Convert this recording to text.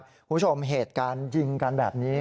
คุณผู้ชมเหตุการณ์ยิงกันแบบนี้